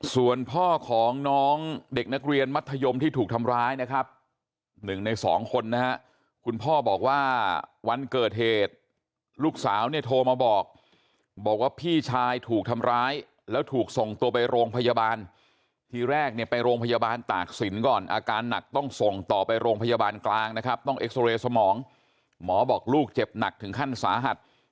ส่วนพ่อของน้องเด็กนักเรียนมัธยมที่ถูกทำร้ายนะครับหนึ่งในสองคนนะฮะคุณพ่อบอกว่าวันเกิดเหตุลูกสาวเนี่ยโทรมาบอกบอกว่าพี่ชายถูกทำร้ายแล้วถูกส่งตัวไปโรงพยาบาลทีแรกเนี่ยไปโรงพยาบาลตากศิลป์ก่อนอาการหนักต้องส่งต่อไปโรงพยาบาลกลางนะครับต้องเอ็กซอเรย์สมองหมอบอกลูกเจ็บหนักถึงขั้นสาหัส